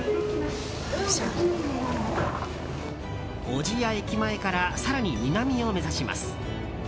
小千谷駅前から更に南を目指します。